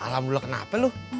alhamdulillah kenapa lo